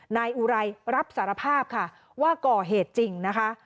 นายอุไรรับสารภาพค่ะว่าก่อเหตุจริงนะคะ